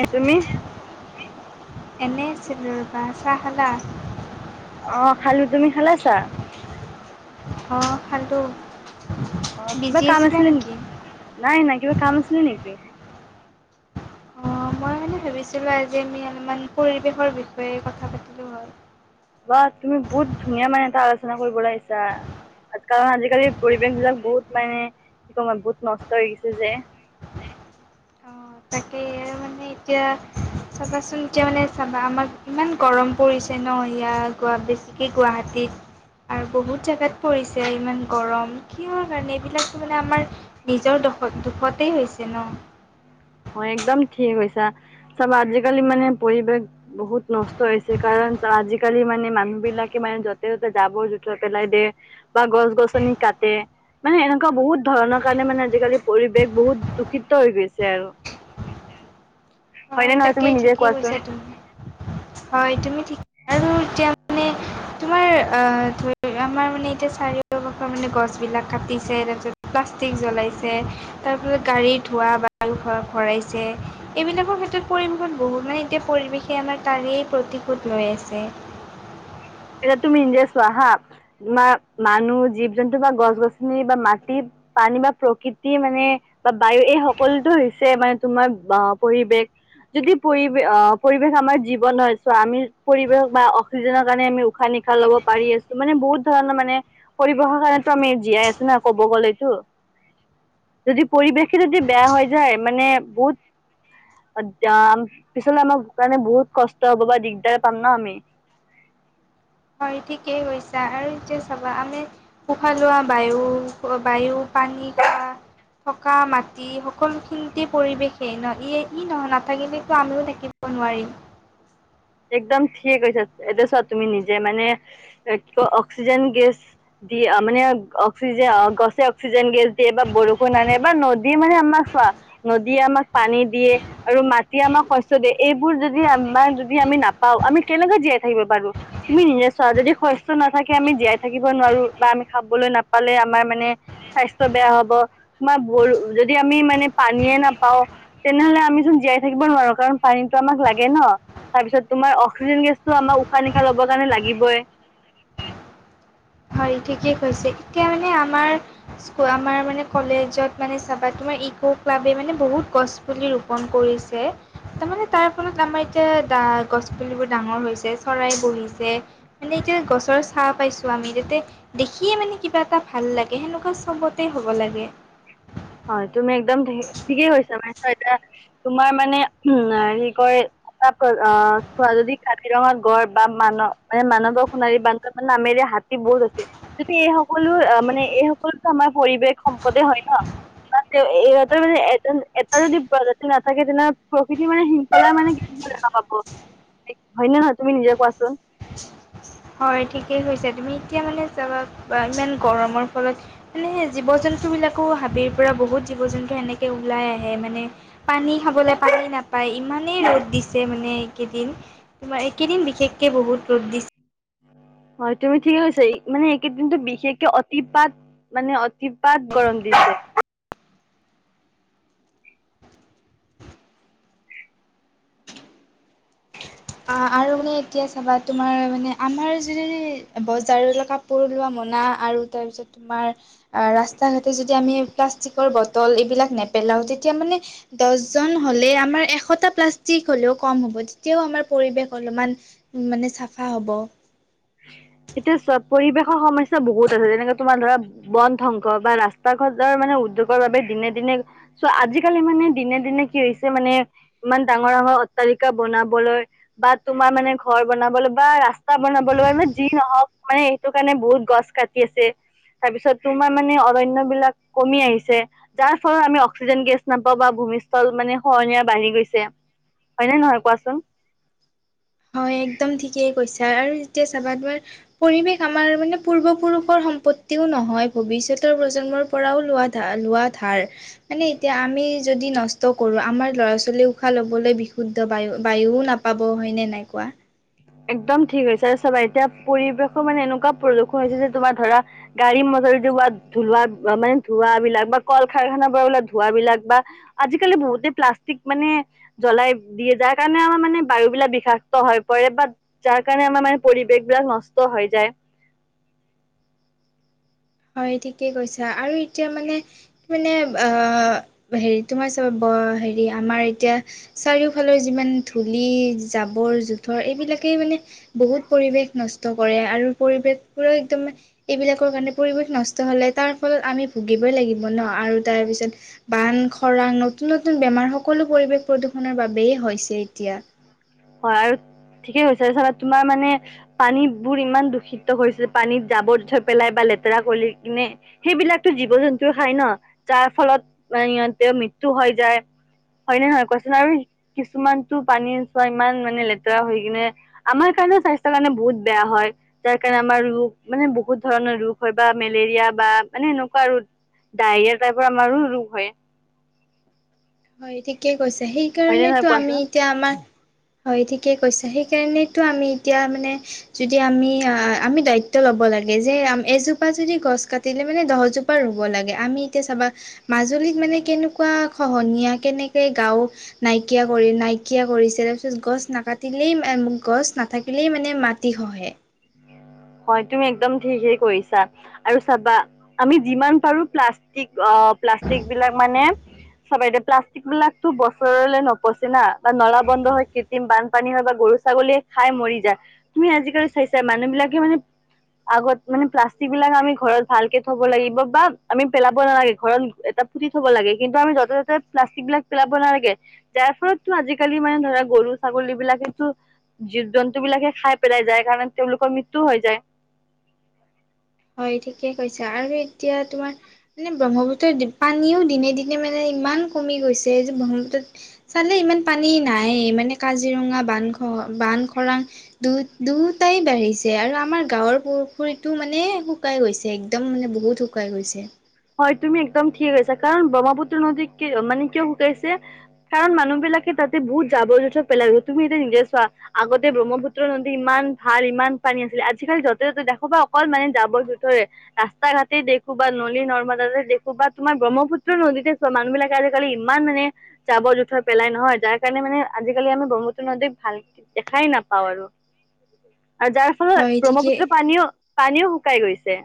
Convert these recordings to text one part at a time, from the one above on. এ তুমি এনে আছিলো ৰবা চাহ খালা। অ', খালো তুমি খালা চাহ। অ খালো। অ', কিবা কাম আছিলে নেকি নাই নাই কিবা কাম আছিলে নেকি? অ মই মানে ভাবিছিলো আজি আমি অলপমান পৰিৱেশৰ বিষয়ে কথা পাতিলো হয়। বা তুমি বহুত ধুনীয়া মানে এটা আলোচনা কৰিব আহিছা। কাৰণ আজিকালি পৰিৱেশ বিলাক বহুত মানে কি কম বহুত নষ্ট হৈ গৈছে যে। অ তাকে মানে এতিয়া। চাবাচোন এতিয়া মানে চাবা আমাৰ ইমান গৰম পৰিছে ন' ইয়াত বেছিকৈ গুৱাহাটীত। আৰু বহুত জেগাত পৰিছে ইমান গৰম। কিয় কাৰণে এইবিলাক মানে আমাৰ নিজৰ। দুষতেই হৈছে ন'। হয় একদম ঠিকেই কৈছা। চাবা আজিকালি মানে পৰিৱেশ বহুত নষ্ট হৈছে কাৰণ। আজিকালি মানে মানুহ বিলাকে মানে য'তে ত'তে জাবৰ জোথৰ পেলাই দিয়ে বা গছ গছনি কাটে। তাতে মানে এনেকুৱা বহুত ধৰণৰ কাৰণে মানে আজিকালি পৰিৱেশ বহুত দূষিত হৈ গৈছে আৰু। হয় হয়নে নহয় তুমি তাকেই নিজে ঠিকেই কোৱাচোন কৈছা তুমি, হয় তুমি ঠিক আৰু এতিয়া মানে তোমাৰ অ' আমাৰ মানে এতিয়া চাৰিও ফালৰ মানে গছ বিলাক কাটিছে। তাৰপিছত প্লাষ্টিক জ্বলাইছে ত। তাৰোপৰি গাড়ী ধোঁৱা ভৰাইছে এইবিলাকৰ ক্ষেত্ৰত। পৰিৱেশত বহুত মানে এতিয়া পৰিৱেশে আমাৰ তাৰেই প্ৰতিশোধ লৈ আছে এয়া তুমি নিজে চোৱা হা তোমাৰ মানুহ জীৱ জন্তু বা গছ গছনি বা মাটি। পানী বা প্ৰকৃতি মানে বা বায়ু এই সকলোতো হৈছে মানে তোমাৰ পৰিৱেশ। যদি পৰিৱেশ আহ পৰিৱেশ আমাৰ জীৱন হয় চ আমি পৰিৱেশ বা অক্সিজেনৰ কাৰণে আমি উশাহ নিশাহ লব পাৰি আছো। মানে বহুত ধৰণৰ মানে পৰিৱেশৰ কাৰণো আমি জীয়াই আছো না কব গ'লেতো। উ। যদি পৰিৱেশে যদি বেয়া হৈ যায় মানে বহুত পিছলে আমাৰ কাৰণে বহুত কষ্ট হ'ব। বা দিগদাৰে পাম ন আমি। [inaudible] হয় ঠিকেই কৈছা আৰু এতিয়া চাবা আমি উশাহ লোৱা বায়ু বায়ু। আহিবা। থকা মাটি সকলোখিনিতে পৰিৱেশেই নহ ই ই নহয় নাথাকিলো আমিও থাকিম নোৱাৰি। একদম ঠিকে কৈছা এতিয়া চোৱা তুমি নিজে মানে কি কয় অক্সিজেন গেছ। দিয়া মানে অক্সিজেন গছে অক্সিজেন গেছ দিয়ে বা বৰষুণ আানে বা নদীয়ে মানে আমাক নদীয়ে আমাক পানী দিয়ে আৰু মাটিয়ে আমাক শস্য দিয়ে এইবোৰ যদি আমাক যদি। যদি আমি নাপাও আমি কেনেকে জীয়াই থাকিব পাৰো তুমি নিজে চোৱা যদি শস্য নাথাকে আমি জীয়াই থাকিব নোৱাৰো। বা আমি খাবলৈ নাপালে আমাৰ মানে স্বাস্থ্য বেয়া হ'ব আমাৰ যদি আমি। মানে পানীয়েে নাপাওঁ তেনেহলে আমিচোন জীয়াই থাকিব নোৱাৰো কাৰণ পানীতো আমাক লাগে ন'। তাৰপিছত তোমাৰ অক্সিজেন গেছটো। আমাৰ উশাহ নিশাহ লবৰ কাৰণে লাগিবই। হয় ঠিকে কৈছে। এতিয়া মানে আমাৰ আমাৰ মানে কলেজত মানে চাবা তোমাৰ। ইকো ক্লাৱে মানে বহুত গছপুলি ৰোপন কৰিছে। তাৰমানে তাৰ ফলত আমাৰ এতিয়া দা গছ পুলিবোৰ ডাঙৰ হৈছে চৰাই বহিছে মানে। তেতিয়া গছৰ ছাঁ পাইছো আমি দেখিয়ে মানে কিবা এটা ভাল লাগে সেনেকুৱা চবতে হ'ব লাগে। হয় তুমি একদম ঠিকেই কৈছা মানে। এ তোমাৰ মানে উম হেৰি কয় চোৱা যদি কাজিৰঙাত গড় বা মানৱ মানে মানৱৰ সোণাৰী বান্ধ মানে নামেৰে হাতী বহুত আছে যদি এই সকলো মানে এই সকলো আমাৰ পৰিৱেশ সম্পদে হয় ন। বা তেওঁ ইহঁতৰ মানে এজন এটা যদি প্ৰজাতিৰ নাথাকে তেনেহ'লে প্ৰকৃতিৰ মানে শৃংখলা কি। ক'ত দেখা পাব হয়নে নহয় তুমি নিজেই কোৱাচোন। হয় ঠিকেই হৈছে তুমি এতিয়া মানে যাবা ইমান গৰমৰ ফলত মানে হে জীৱ জন্তু বস্তু বিলাকো হাবিৰ পৰা বহুত জীৱ-জন্তু এনেকে ওলাই আহে। মানে পানী খাবলৈ পানী না পায় ইমানেই ৰ'দ দিছে মানে এইকেইদিন। তোমাৰ এইকেইদিন বিশেষকে বহুত ৰ'দ দিছ [inaudible] হয় তুমি ঠিকে কৈছা। মানে এইকেইদিনটো বিশেষকে অতিপাত মানে অতিপাত গৰম দিছে। [inaudible] অহ। আৰু মানে এতিয়া চাবা তোমাৰ মানে আমাৰ যদি বজাৰৰ কাপোৰ লোৱা মন আপোনা আৰু তাৰপিছত তোমাৰ আ ৰাস্তা ঘাতে যেতিয়া আমি প্লাষ্টিকৰ বটল এইবিলাক নেপেল নেপেলাও তেতিয়া মানে দহজন হ'লে আমাৰ এশটা প্লাষ্টিক হ'লেও কম হ'ব তেতিয়াও আমাৰ পৰিৱেশ অলপমান মানে চাফা হ'ব। এতিয়া চব পৰিৱেশৰ সমস্যা বহুত আছে যেনেকে তোমাৰ ধৰা বন ধ্বংস বা ৰাস্তা ঘৰ মানে উদ্যোগৰ বাবে দিনে দিনে চোৱা আজিকালি মানে দিনে দিনে কি হৈছে মানে ইমান ডাঙৰ ডাঙৰ তালিকা বনাবলৈ বা তোমাৰ মানে ঘৰ বনাবলৈ বা ৰাস্তা বনাব বোলো যি নহওক মানে এইটো কাৰণে বহুত গছ কাটি আছে। তাৰপিছত তোমাৰ মানে অৰণ্যৰ বিলাক কমি আহিছে। যাৰ ফলত আমি অক্সিজেন গেছ নাপাওঁ বা ভূমিস্থল মানে খহনীয়া বাঢ়ি গৈছে হয়নে নহয় কোৱাচোন? হয় একদম ঠিকেই কৈছা আৰু যেতিয়া চাবাগৈ পৰিৱেশ আমাৰ মানে পূৰ্বপুৰুষৰ সম্পত্তিও নহয় ভৱিষ্যতৰ প্ৰজন্মৰ পৰাও লোৱা ধা লোৱা ধাৰ। মানে এতিয়া আমি যদি নষ্ট কৰো আমাৰ ল'ৰা ছোৱালী উশাহ ল'ব লবলৈ বিশুদ্ধ বায়ু বায়ুও নাপাব হয় নাই কোৱা। একদম ঠিক হৈছে আৰু চাবা এতিয়া পৰিৱেশৰ মানে এনেকুৱা প্ৰদূষণ হৈছে যে তোমাৰ ধৰা গাড়ী ম গাড়ী পৰা উলুৱা মানে ধোৱাবিলাক বা কল কাৰখানাৰ পৰা ওলোৱা ধোৱাবিলাক বা আজিকালি বহুতে প্লাষ্টিক মানে জ্বলাই দিয়ে যাৰ কাৰণে আমাৰ মানে বায়ুবিলাক বিষাক্ত হয়। কৰে বা যাৰ কাৰণে আমাৰ মানে পৰিৱেশ বিলাক নষ্ট হৈ যায়। [inaudible] হয় ঠিকে কৈছা আৰু এতিয়া মানে কি মানে অহ হেৰি তোমাৰ চব অহেৰি আমাৰ এতিয়া চাৰিওফালৰ যিমান ধূলি জাবৰ জোথৰ এইবিলাকে এতিয়া মানে বহুত পৰিৱেশ নষ্ট কৰে আৰু পৰিৱেশ বোৰে একদম এইবিলাকৰ কাৰণে পৰিৱেশ নষ্ট হ'লে তাৰ ফলত আমি ভুগিবয়ে লাগিব ন আৰু তাৰপিছত বান খৰাং ন নতুন নতুন বেমাৰ সকলো পৰিৱেশ প্ৰদূষণৰ বাবেই হৈছে এতিয়া। হয় আৰু ঠিকেই কৈছে তোমাৰ মানে পানীবোৰ ইমান দূষিতছে হৈছে যে পানীত জাবত থৈ পেলাই প লেতেৰা কৰি কিনে সেইবিলাকো জীৱ জন্তু খাই ন যাৰ ফলত ম সিহঁতৰ মৃত্যুৰ হৈ যায় হয় নেহয় কোৱাচোন আৰু কিছুমানতো পানী ইমান মানে লেতেৰা হৈ কিনে আমাৰ কাৰণে স্বাস্থ্যৰ কাৰণে বহুত বেয়া হয়। যাৰ কাৰণে আমাৰ ৰোগ মানে বহুত ধৰণৰ ৰোগ হয় বা মেলেৰিয়া বা মানে এনেকুৱা আৰু ডায়েৰিয়া টাইপৰ আমাৰো ৰোগ হয়। হয়, ঠিকেই কৈছে হয় নে নহয় সেইকাৰণেতো আমি কোৱাচোন এতিয়া আমাৰ হয় ঠিকেই কৈছে। সেইকাৰনেতো আমি এতিয়া মানে যদি আমি আমি দায়িত্ব লব ৰুব লাগে যে আএজোপা যদি গছ কাটিলে মানে দহজোপাৰ ৰুব লাগে। আমি এতিয়া চাবা মাজৰ আচৰিত মানে কেনেকুৱা খহনীয়া কেনেকে গাওঁ নাইকিয়া কৰি নাইকিয়া কৰিছে। ত গছ নাকাটিলেই গছ নাথাকিলেই মানে মাটি খহে। হয় তুমি একদম ঠিকে কৰিছা আৰু চাবা আমি যিমান পাৰো প্লাষ্টিক আহ প্লাষ্টিকবিলাক মানে চবে প্লাষ্টিক বিলাকতো বছৰলৈ নপচি না বা নলা বন্ধ বন্ধ হৈ কৃত্ৰিম বানপানী হৈ বা গৰু ছাগলীয়ে খাই মৰি যায়। তুমি আজিকালি চাইছাই মানুহবিলাকে মানে আগত মানে প্লাষ্টিক বিলাক আমি ঘৰত ভালকে থব লাগিব বা আমি পেলাব নালাগে ঘৰত এটা পুতি থ'ব লাগে কিন্তু আমি য'তে ত'তে প্লাষ্টিকবিলাক পেলাব নালাগে। যাৰ ফলতো আজিকালি মানে ধৰা গৰু ছাগলীবিলাকেতো জীৱ জন্তু বিলাকে খাই পেলাই যায় কাৰণে তেওঁলোকৰ মৃত্যু হৈ যায় হয় ঠিকে কৈছা, আৰু এতিয়া তোমাৰ মানে ব্ৰহ্মপুত্ৰৰ পানীও দিনে দিনে মানে ইমান কমি গৈছে যে ব্ৰহ্মপুত্ৰত চালেই ইমান পানী নাই মানে কাজিৰঙা বান খ বান খৰাং দু দুটাই বাঢ়ি। ছে আৰু আমাৰ গাঁৱৰ পুখুৰীতটো মানে শুকাই গৈছে এক্দম মানে বহুত শুকাই গৈছে হয়, তুমি একদম ঠিক আছা কাৰণ ব্ৰহ্মপুত্ৰ নদী মানে কিয় শুকাইছে কাৰণ মানুহ বিলাকে তাতে বহুত জাৱৰ জোথৰ পেলাই তুমি এতিয়া নিজে চোৱা আগতে ব্ৰহ্মপুত্ৰৰ নদী ইমান ভাল ইমান পানী আে আজিকালি য'তে ত'তে দেখো বাা অকল মানে যাব জোথৰে ৰাস্তা ঘাটেই দেখো বা নলী নৰ্ম দেখো বা তোমাৰ ব্ৰহ্মপুত্ৰ নদীতে চোৱা মানুহ বিলাকে আজিকালি ইমান মানে জাৱৰ জোথৰ পেলাই নহয় হয়, যাৰ কাৰণে মানে আজিকালি আমি ব্ৰহ্মুত্ৰ নদীক ভাল দেখাই নাপাওঁ আৰু [inaudible] আৰু যাৰ হয় ফলত ঠিকে ব্ৰহ্মপুত্ৰ পানীও পানীও শুকাই গৈছে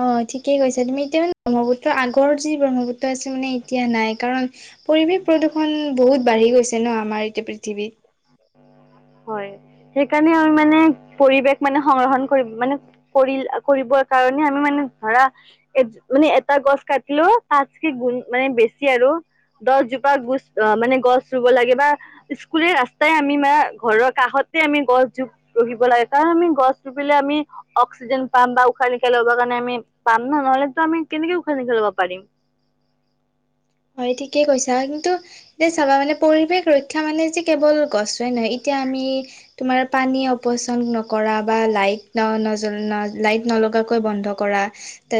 অ', ঠিকেই কৈছ তুমি এতিয়া মানে ব্ৰহ্মপুত্ৰ আগৰ যি ব্ৰহ্মপুত্ৰ মানে এতিয়া নাই কাৰণ পৰিৱেশ প্ৰদূষণ বহুত বাঢ়ি গৈছে ন আমাৰ এতিয়া পৃথিৱীত হয় সেইকাৰণে আমি মানে পৰিৱেশ মানে সংৰক্ষণ কৰিব মানে পৰি কৰিব কাৰণে আমি মানে ধৰা এ মানে এটা গছ কাটিলো তাতকে গুণ মানে বেছি আৰু দছজোপা গুছ মানে গছ ৰুব লাগে বা স্কুলে ৰাস্তাই আমি ম ঘৰৰ কাষতে আমি গছ জোপ ৰুহিব লাগে কাৰণ আমি গছ ৰুপিলে আমি অক্সিজেন পাম বা। উশাহ-নিশাহ ল'ব কাৰণে বৰ কাৰণে আমি পাম ন নহ'লেতো আমি কেনেকে উখান ন খেলব পাৰিম হয়, ঠিকেই কৈছা কিন্তু এয়া চাবা মানে পৰিৱেশ ৰক্ষা মানে যে কেৱল গছোৱই নহয় এতিয়া আমি তোমাৰ পানী অপচন্দ নকৰা বা লাইট ন ন লাইট নলগাকৈ বন্ধ কৰা তাৰ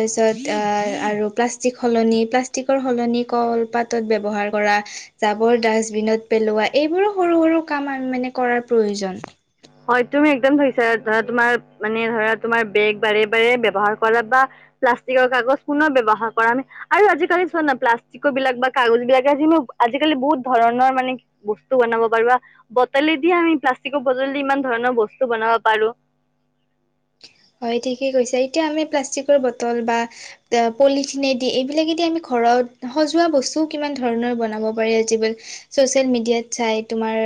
পিছত অ', আৰু প্লাষ্টিক সলনি, প্লাষ্টিকৰ সলনি কলপাতত ব্যৱহাৰ কৰা জাৱৰ ডাষ্টবিনত পেলোৱা এইবোৰো সৰু, সৰু কাম মানে কৰাৰ প্ৰয়োজন হয়, তুমি একদম ভৰিছা ধৰা তোমাৰ মানে ধৰা তোমাৰ বেগ বাৰে বাৰে ব্যৱহাৰ কৰা বা প্লাষ্টিকৰ কাগজ পুনৰ ব্যৱহাৰ কৰা আমি আৰু আজিকালি চোৱা না প্লাষ্টিকৰ বিলাক বা কাগজ বিলাকে যি আজিকালি বহুত ধৰণৰ মানে বস্তু বনাব পাৰিবা বটলে দিয়ে আমি প্লাষ্টিকৰ। বজলি ইমান ধৰণৰ বস্তু বনাব পাৰো হয়, ঠিকে কৈছে এতিয়া আমি প্লাষ্টিকৰ বটল বা পলিথিনেদি এইবিলাকেদি আমি ঘৰত সজোৱা বস্ত কিমান ধৰনৰ বনাব পাৰি চচিয়েল মিডিয়াত চাই তোমাৰ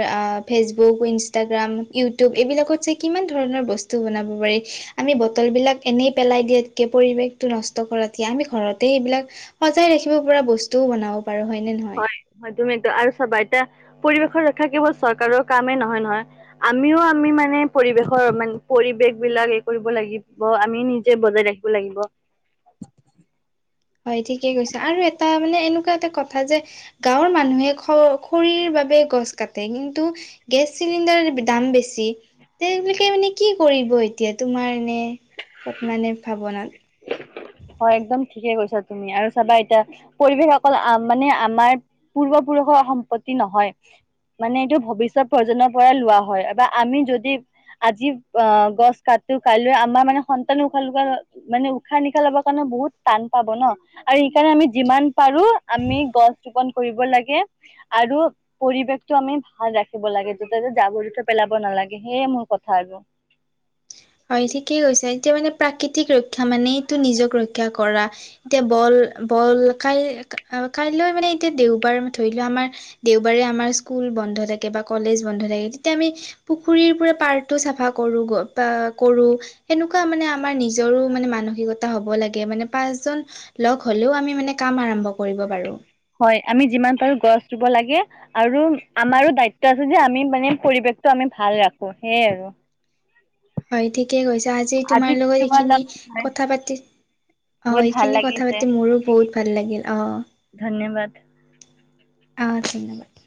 ফেচবুক, ইনষ্টাগ্ৰাম, ইউটিউব, এইবিলাকত যে কিমান ধৰণৰ বস্তু বনাব পাৰি আমি বটলবিলাক এনেই পেলাই দিয়াতকৈ পৰিৱেশটো নষ্ট কৰাতহিয় আমি ঘৰতে সেইবিলাক। সজাই ৰাখিব পৰা বস্তুও বনাব পাৰো হয় নে নহয় তুমি একদম আৰু চাবা এতিয়া পৰিৱেশৰ ৰক্ষা কেৱল চৰকাৰৰ কামেই নহয়, নহয় আমিও আমি মানে পৰিৱেশৰ মানে পৰিৱেশ বিলাক এই কৰিব লাগিব আমি নিজে বজাই ৰাখিব লাগিব হয় ঠিকে কৈছা, আৰু এটা মানে, এনেকুৱা এটা কথা যে গাঁৱৰ মানুহে খ খৰিৰ বাবে গছ কাটে কিন্তু গেছ চিলিণ্ডাৰৰ দাম বেছি তেবাকে মানে কি কৰিব এতিয়া তোমাৰ নে কত মানে ভাৱনাত হয়, একদম ঠিকে কৈছা তুমি আৰু চাবা এতিয়া পৰিৱেশ অকল মানে আমাৰ পূৰ্বপ পৰুষ সম্পত্তি নহয় মানে এইটো ভৱিষ্যত প্ৰজন্মৰ পৰাই লোৱা হয় বা আমি যদি আজি অ', গছ কাট ত কাইলৈ আমাৰ মানে সন্তানে উশাহা মানে উশাহ- নিশাহ লবা কাৰণে বহুত টান পাব ন আৰু সেইকাৰণে আমি যিমান পাৰো আমি গছ ৰোপন কৰিব লাগে আৰু পৰিৱেশতটো আমি ভাল ৰাখিব লাগে যতে ত জাবোৰ জোথৰ পেলাব নালাগে সেয়ে মোৰ কথা আহব [unintelligible] হয় ঠিকেই কৈছা এতিয়া মানে প্ৰাকৃতিক ৰক্ষা মানেটো নিজক ৰক্ষা কৰা এতিয়া বল। ক মান এতিয়া দেওবাৰ ধৰিোৱা আমাৰ দেওবাৰে আমাৰ স্কুল বন্ধ থাকে বা কলেজ বন্ধ থাকে তেতিয়া আমি পুখুৰীৰ পৰাৰে পাৰ্টো চাফা কৰোঁ বা কৰো সেনেকুৱা মানে আমাৰ নিজৰো মানে মানসিকতা হব লাগে মানে পাঁচজন লগ হ'লেও আমি মানে কাম আৰম্ভ কৰিব পাৰোঁ হয় আমি যিমান পাৰো গছ ৰুব লাগে আৰু আমাৰো দায়িত্ব আছে যে আমি মানে পৰিবেশ টো আমি ভাল ৰাখো সেইয়া আৰু হয় ঠিকে কৈছা আজি তোমাৰ লগত এইখিনি কথা পাতি আহ বহুত ভাল এইখিনি কথা লাগিছে পাতি মোৰো বহুত ভাল লাগিল অ ' ধন্যবাদ। আহ ধন্যবাদ।